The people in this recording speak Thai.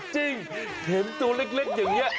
จริงเห็นตัวเล็กอย่างนี้